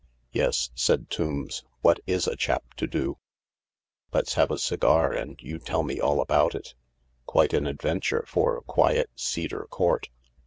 " Yes," said Tombs, " what is a chap to do ? Let's have a cigar and you tell me all about it. Quite an adventure for quiet Cedar Court."